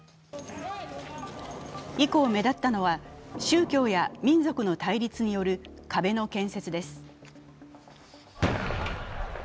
以降、目立ったのは宗教や民族の対立による壁の建設です。